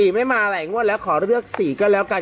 ไม่มาหลายงวดแล้วขอเลือก๔ก็แล้วกัน